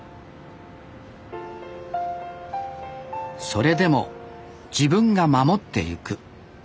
それでも自分が守っていく。